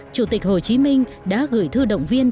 chủ tịch hồ chí minh đã gửi thư động viên